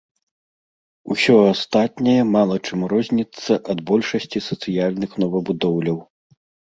Усё астатняе мала чым розніцца ад большасці сацыяльных новабудоўляў.